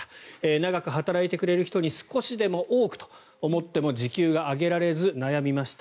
長く働いてくれる人に少しでも多くと思っても時給が上げられず悩みました